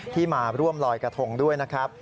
ที่มาร่วมลอยกระทงด้วยนะครับ